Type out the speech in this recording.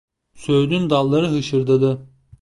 Söğüdün dalları hışırdadı.